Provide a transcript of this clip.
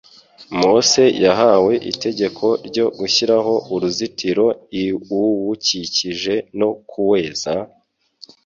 Mose yahawe itegeko ryo gushyiraho uruzitiro iuwukikije no kuweza,